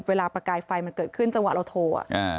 ประกายไฟมันเกิดขึ้นจังหวะเราโทร